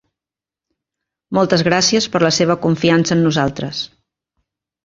Moltes gràcies per la seva confiança en nosaltres.